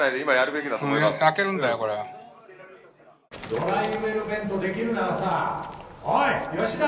「ドライウェルベントできるならさおい吉田！」。